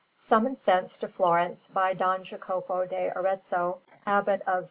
Summoned thence to Florence by Don Jacopo d'Arezzo, Abbot of S.